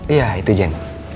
iya itu jen